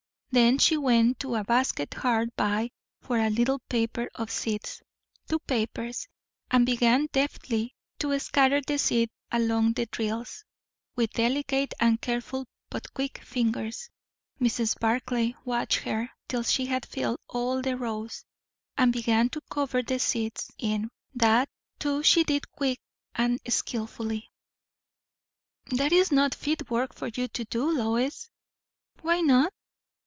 Then she went to a basket hard by for a little paper of seeds; two papers; and began deftly to scatter the seed along the drills, with delicate and careful but quick fingers. Mrs. Barclay watched her till she had filled all the rows, and began to cover the seeds in; that, too, she did quick and skilfully. "That is not fit work for you to do, Lois." "Why not?"